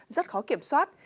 rất khó kiểm soát